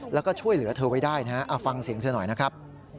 แล้วก็ช่วยเหลือเธอไว้ได้นะฮะเอาฟังเสียงเธอหน่อยนะครับ